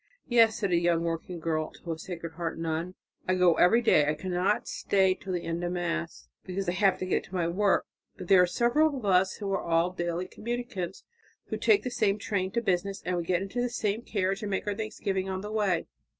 "Yes," said a young working girl to a Sacred Heart nun, "I go every day. I cannot stay till the end of Mass, because I have to get to my work. But there are several of us who are all daily communicants, who take the same train to business, and we get into the same carriage and make our thanksgiving on the way.